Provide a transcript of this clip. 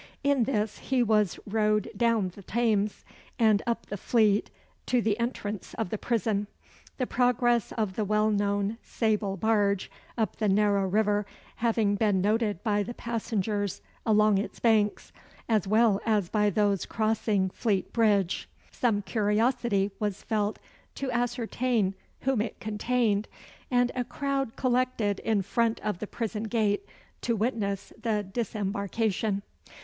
In this he was rowed down the Thames, and up the Fleet, to the entrance of the prison. The progress of the well known sable barge up the narrow river having been noted by the passengers along its banks, as well as by those crossing Fleet Bridge, some curiosity was felt to ascertain whom it contained; and a crowd collected in front of the prison gate to witness the disembarkation.